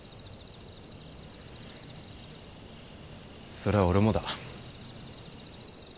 それは俺もだ。